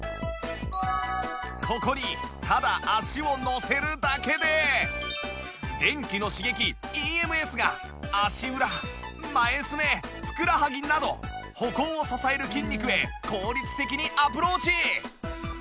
ここにただ足を乗せるだけで電気の刺激 ＥＭＳ が足裏前すねふくらはぎなど歩行を支える筋肉へ効率的にアプローチ！